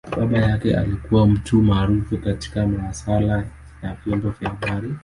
Baba yake alikua mtu maarufu katika masaala ya vyombo vya habari.